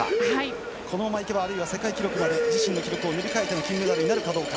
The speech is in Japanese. このままいけばあるいは世界記録を塗り替えての金メダルになるかどうか。